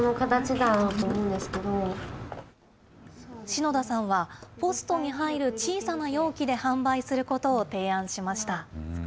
信田さんはポストに入る小さな容器で販売することを提案しました。